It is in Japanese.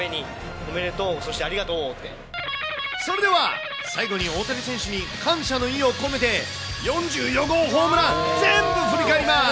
おめでとう、それでは、最後に大谷選手に感謝の意を込めて、４４本、ホームラン、全部振り返ります。